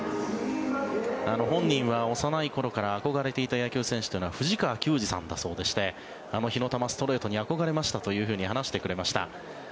本人は幼い頃から憧れていた野球選手というのは藤川球児さんだそうでして火の玉ストレートに憧れましたと話してくれました。